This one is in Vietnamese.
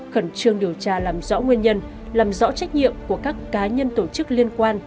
khẩn trương điều tra làm rõ nguyên nhân làm rõ trách nhiệm của các cá nhân tổ chức liên quan